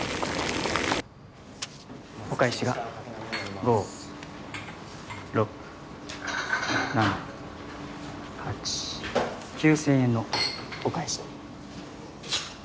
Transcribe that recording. お返しが５６７８９０００円のお返しと。